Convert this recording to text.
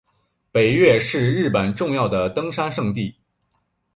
北岳是日本重要的登山圣地。